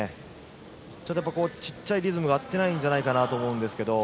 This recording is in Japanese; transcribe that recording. ちょっと小さいリズムが合っていないのではと思うんですけど。